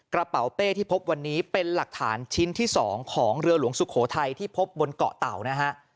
กระเป๋าเป้ที่พบวันนี้เป็นหลักฐานชิ้นที่๒ของเรือหลวงสุโขทัยที่พบบนเกาะเต่านะฮะ